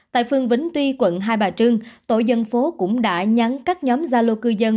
tại phường vĩnh tuy quận hai bà trưng tổ dân phố cũng đã nhắn các nhóm gia lô cư dân